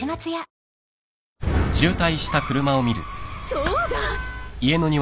そうだ！